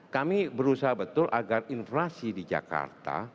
kami berusaha betul agar inflasi di jakarta